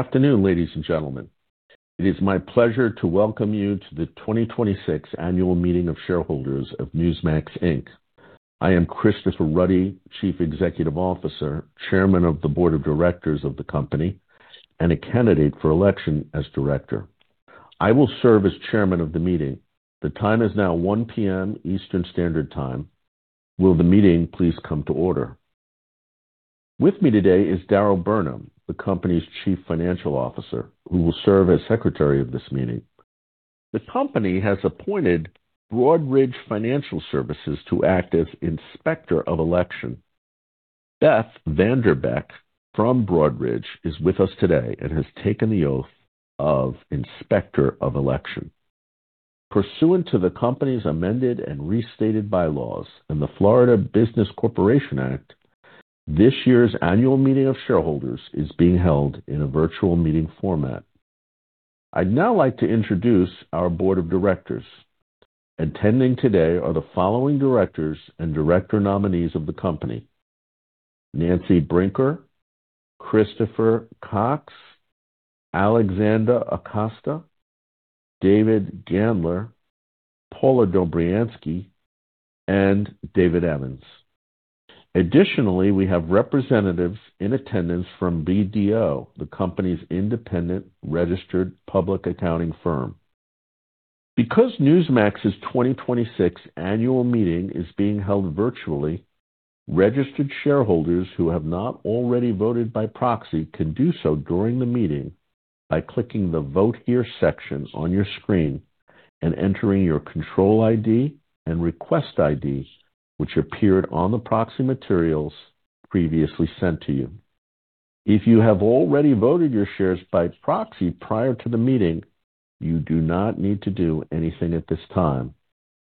Afternoon, ladies and gentlemen. It is my pleasure to welcome you to the 2026 annual meeting of shareholders of Newsmax Inc. I am Christopher Ruddy, Chief Executive Officer, Chairman of the Board of Directors of the company, and a candidate for election as director. I will serve as chairman of the meeting. The time is now 1:00 P.M. Eastern Standard Time. Will the meeting please come to order? With me today is Darryle Burnham, the company's Chief Financial Officer, who will serve as secretary of this meeting. The company has appointed Broadridge Financial Solutions to act as inspector of election. Beth VanDerbeck from Broadridge is with us today and has taken the oath of inspector of election. Pursuant to the company's amended and restated bylaws and the Florida Business Corporation Act, this year's annual meeting of shareholders is being held in a virtual meeting format. I'd now like to introduce our board of directors. Attending today are the following directors and director nominees of the company: Nancy Brinker, Christopher Cox, Alexander Acosta, David Gandler, Paula Dobriansky, and David Evans. Additionally, we have representatives in attendance from BDO, the company's independent registered public accounting firm. Because Newsmax's 2026 annual meeting is being held virtually, registered shareholders who have not already voted by proxy can do so during the meeting by clicking the vote here section on your screen and entering your control ID and request ID, which appeared on the proxy materials previously sent to you. If you have already voted your shares by proxy prior to the meeting, you do not need to do anything at this time.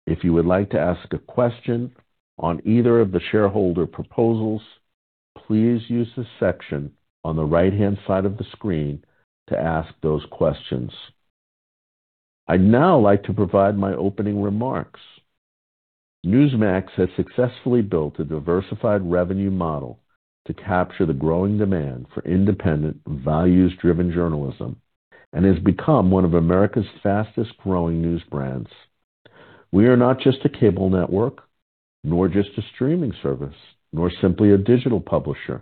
If you would like to ask a question on either of the shareholder proposals, please use the section on the right-hand side of the screen to ask those questions. I'd now like to provide my opening remarks. Newsmax has successfully built a diversified revenue model to capture the growing demand for independent, values-driven journalism and has become one of America's fastest-growing news brands. We are not just a cable network, nor just a streaming service, nor simply a digital publisher.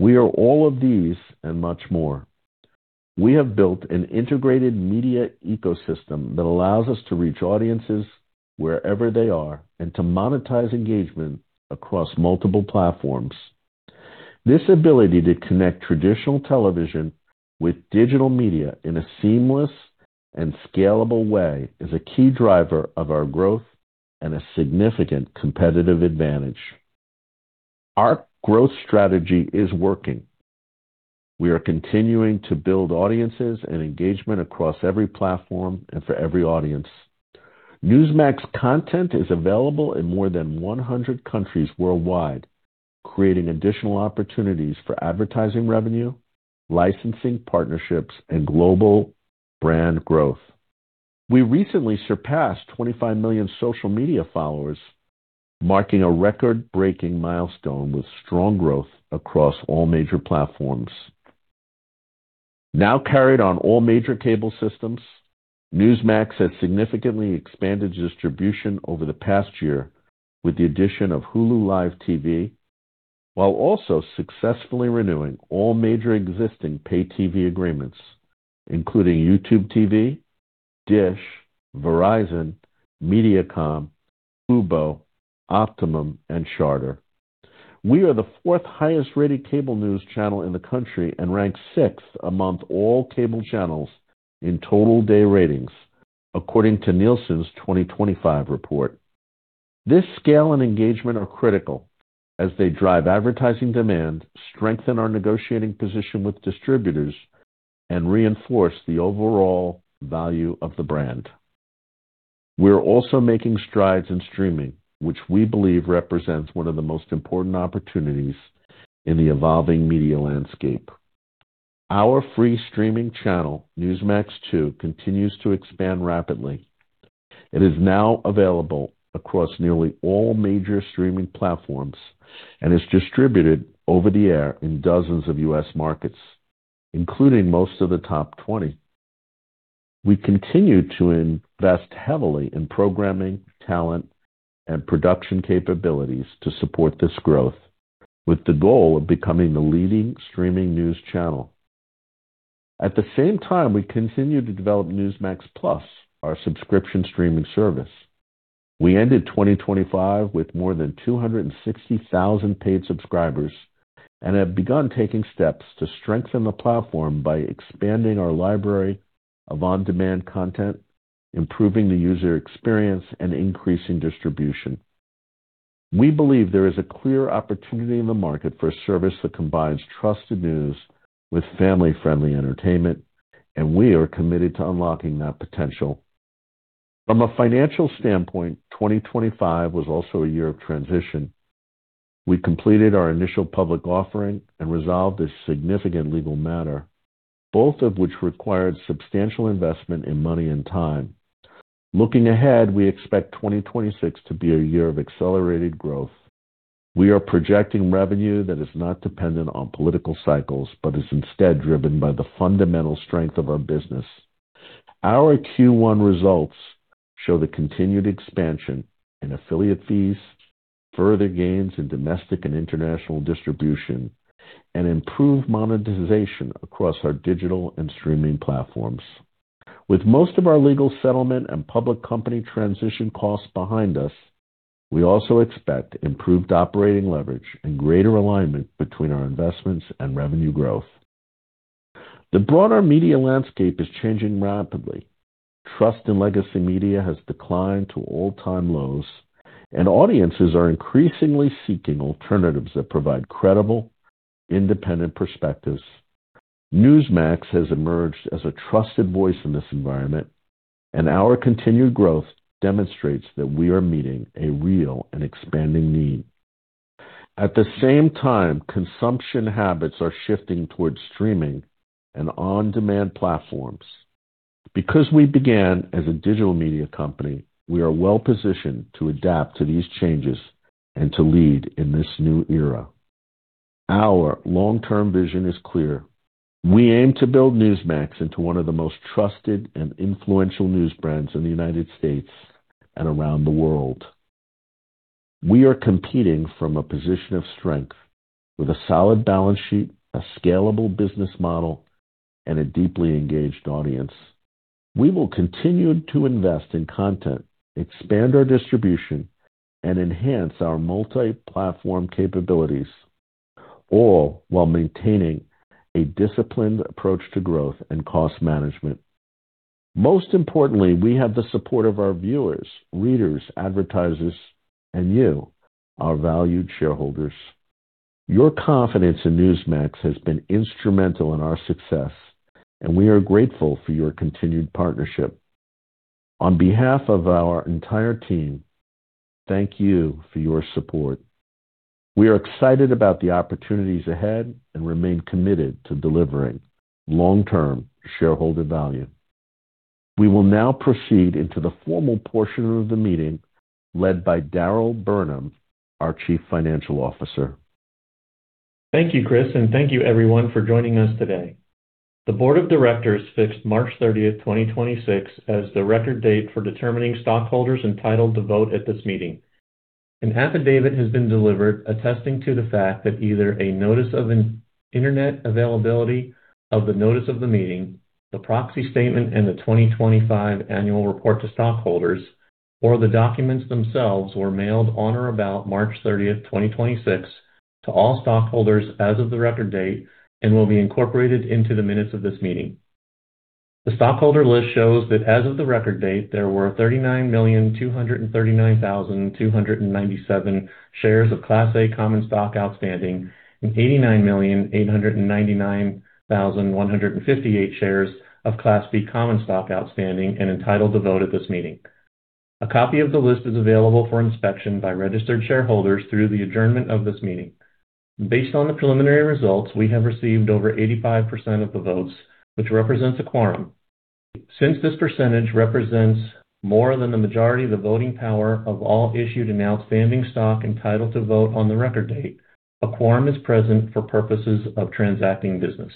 We are all of these and much more. We have built an integrated media ecosystem that allows us to reach audiences wherever they are and to monetize engagement across multiple platforms. This ability to connect traditional television with digital media in a seamless and scalable way is a key driver of our growth and a significant competitive advantage. Our growth strategy is working. We are continuing to build audiences and engagement across every platform and for every audience. Newsmax content is available in more than 100 countries worldwide, creating additional opportunities for advertising revenue, licensing partnerships, and global brand growth. We recently surpassed 25 million social media followers, marking a record-breaking milestone with strong growth across all major platforms. Now carried on all major cable systems, Newsmax has significantly expanded distribution over the past year with the addition of Hulu + Live TV, while also successfully renewing all major existing pay TV agreements, including YouTube TV, Dish, Verizon, Mediacom, Fubo, Optimum, and Charter. We are the fourth highest-rated cable news channel in the country and rank sixth among all cable channels in total day ratings, according to Nielsen's 2025 report. This scale and engagement are critical as they drive advertising demand, strengthen our negotiating position with distributors, and reinforce the overall value of the brand. We're also making strides in streaming, which we believe represents one of the most important opportunities in the evolving media landscape. Our free streaming channel, Newsmax2, continues to expand rapidly. It is now available across nearly all major streaming platforms and is distributed over-the-air in dozens of U.S. markets, including most of the top 20. We continue to invest heavily in programming, talent, and production capabilities to support this growth, with the goal of becoming the leading streaming news channel. At the same time, we continue to develop Newsmax+, our subscription streaming service. We ended 2025 with more than 260,000 paid subscribers and have begun taking steps to strengthen the platform by expanding our library of on-demand content, improving the user experience, and increasing distribution. We believe there is a clear opportunity in the market for a service that combines trusted news with family-friendly entertainment, and we are committed to unlocking that potential. From a financial standpoint, 2025 was also a year of transition. We completed our initial public offering and resolved a significant legal matter, both of which required substantial investment in money and time. Looking ahead, we expect 2026 to be a year of accelerated growth. We are projecting revenue that is not dependent on political cycles, but is instead driven by the fundamental strength of our business. Our Q1 results show the continued expansion in affiliate fees, further gains in domestic and international distribution, and improved monetization across our digital and streaming platforms. With most of our legal settlement and public company transition costs behind us, we also expect improved operating leverage and greater alignment between our investments and revenue growth. The broader media landscape is changing rapidly. Trust in legacy media has declined to all-time lows, and audiences are increasingly seeking alternatives that provide credible, independent perspectives. Newsmax has emerged as a trusted voice in this environment, and our continued growth demonstrates that we are meeting a real and expanding need. At the same time, consumption habits are shifting towards streaming and on-demand platforms. Because we began as a digital media company, we are well-positioned to adapt to these changes and to lead in this new era. Our long-term vision is clear. We aim to build Newsmax into one of the most trusted and influential news brands in the United States and around the world. We are competing from a position of strength with a solid balance sheet, a scalable business model, and a deeply engaged audience. We will continue to invest in content, expand our distribution, and enhance our multi-platform capabilities, all while maintaining a disciplined approach to growth and cost management. Most importantly, we have the support of our viewers, readers, advertisers, and you, our valued shareholders. Your confidence in Newsmax has been instrumental in our success, and we are grateful for your continued partnership. On behalf of our entire team, thank you for your support. We are excited about the opportunities ahead and remain committed to delivering long-term shareholder value. We will now proceed into the formal portion of the meeting led by Darryle Burnham, our Chief Financial Officer. Thank you, Christopher, and thank you everyone for joining us today. The board of directors fixed March 30th, 2026 as the record date for determining stockholders entitled to vote at this meeting. An affidavit has been delivered attesting to the fact that either a notice of an internet availability of the notice of the meeting, the proxy statement and the 2025 annual report to stockholders or the documents themselves were mailed on or about March 30th, 2026 to all stockholders as of the record date and will be incorporated into the minutes of this meeting. The stockholder list shows that as of the record date, there were 39,239,297 shares of Class A common stock outstanding and 89,899,158 shares of Class B common stock outstanding and entitled to vote at this meeting. A copy of the list is available for inspection by registered shareholders through the adjournment of this meeting. Based on the preliminary results, we have received over 85% of the votes, which represents a quorum. Since this percentage represents more than the majority of the voting power of all issued and outstanding stock entitled to vote on the record date, a quorum is present for purposes of transacting business.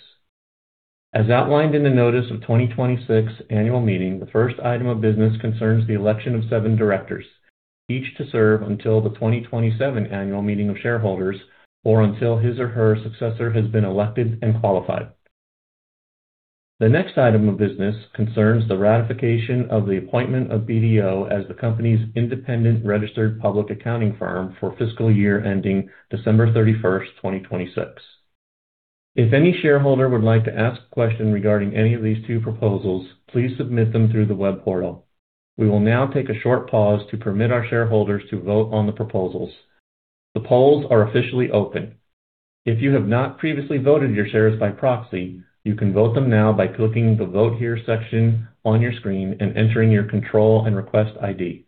As outlined in the notice of 2026 annual meeting, the first item of business concerns the election of seven directors, each to serve until the 2027 annual meeting of shareholders or until his or her successor has been elected and qualified. The next item of business concerns the ratification of the appointment of BDO as the company's independent registered public accounting firm for fiscal year ending December 31st, 2026. If any shareholder would like to ask a question regarding any of these two proposals, please submit them through the web portal. We will now take a short pause to permit our shareholders to vote on the proposals. The polls are officially open. If you have not previously voted your shares by proxy, you can vote them now by clicking the Vote Here section on your screen and entering your control and request ID.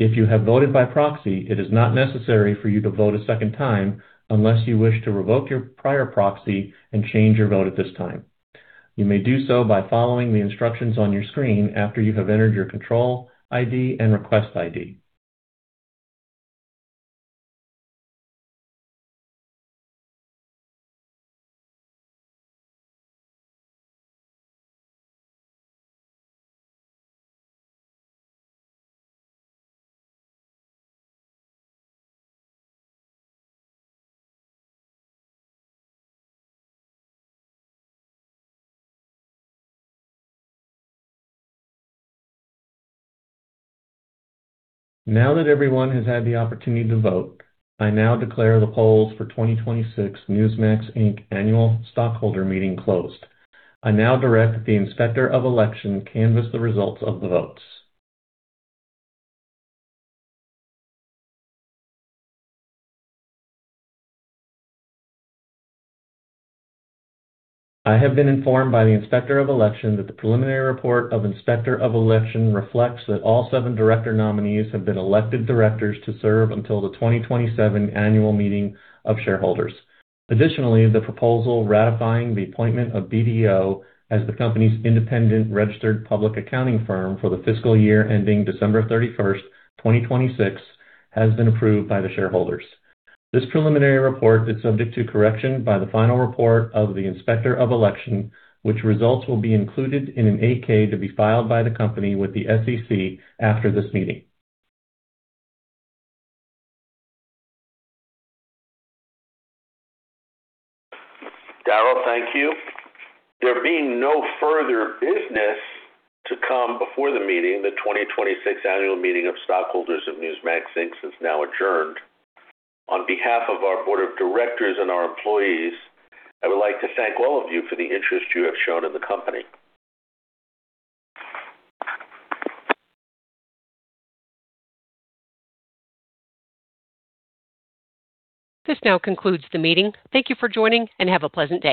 If you have voted by proxy, it is not necessary for you to vote a second time unless you wish to revoke your prior proxy and change your vote at this time. You may do so by following the instructions on your screen after you have entered your control ID and request ID. Now that everyone has had the opportunity to vote, I now declare the polls for 2026 Newsmax Inc. annual stockholder meeting closed. I now direct the Inspector of Election canvass the results of the votes. I have been informed by the Inspector of Election that the preliminary report of Inspector of Election reflects that all seven director nominees have been elected directors to serve until the 2027 annual meeting of shareholders. Additionally, the proposal ratifying the appointment of BDO as the company's independent registered public accounting firm for the fiscal year ending December 31st, 2026 has been approved by the shareholders. This preliminary report is subject to correction by the final report of the Inspector of Election, which results will be included in an 8-K to be filed by the company with the SEC after this meeting. Darryle, thank you. There being no further business to come before the meeting, the 2026 annual meeting of stockholders of Newsmax Inc. is now adjourned. On behalf of our board of directors and our employees, I would like to thank all of you for the interest you have shown in the company. This now concludes the meeting. Thank you for joining and have a pleasant day.